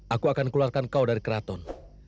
aku akan keluarkan kau dari keraton